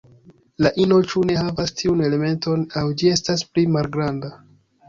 La ino ĉu ne havas tiun elementon aŭ ĝi estas pli malgranda.